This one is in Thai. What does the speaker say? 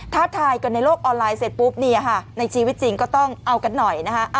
ท้าทายกันในโลกออนไลน์เสร็จปุ๊บเนี่ยค่ะในชีวิตจริงก็ต้องเอากันหน่อยนะคะ